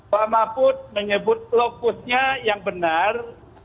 pak mahfud menyebut lokusnya yang benar